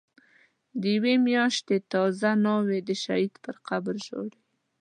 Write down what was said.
د یوی میاشتی تازه ناوی، دشهید پر قبرژاړی